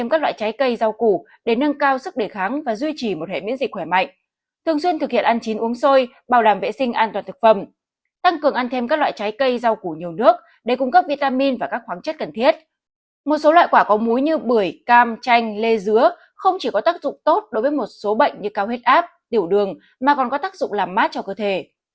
một số loại quả có múi như bưởi cam chanh lê dứa không chỉ có tác dụng tốt đối với một số bệnh như cao huyết áp tiểu đường mà còn có tác dụng làm mát cho cơ thể